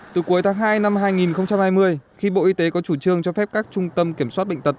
từ cuối tháng hai năm hai nghìn hai mươi khi bộ y tế có chủ trương cho phép các trung tâm kiểm soát bệnh tật